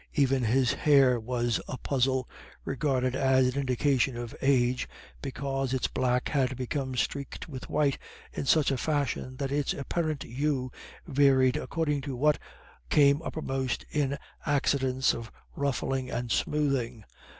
Even his hair was a puzzle, regarded as an indication of age, because its black had become streaked with white in such a fashion that its apparent hue varied according to what came uppermost in accidents of ruffling and smoothing.